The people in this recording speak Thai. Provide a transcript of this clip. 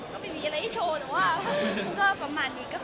ก็ไม่มีอะไรที่โชว์แต่ก็ประมาณนี้